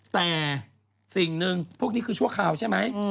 แต่สิ่งหนึ่งพวกนี้คือชั่วคราวใช่ไหม